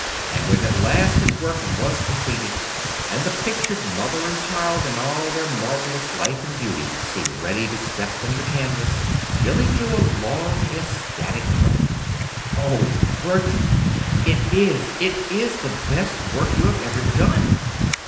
And when at last his work was completed, and the pictured mother and child in all their marvelous life and beauty seemed ready to step from the canvas, Billy drew a long ecstatic breath. "Oh, Bertram, it is, it is the best work you have ever done."